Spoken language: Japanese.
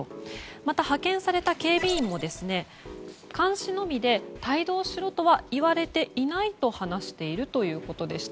また、派遣された警備員も監視のみで帯同しろとは言われていないと話しているということでした。